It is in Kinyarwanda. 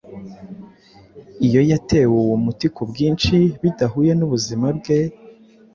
iyo yatewe uwo muti ku bwinshi, bidahuye n’ubuzima bwe.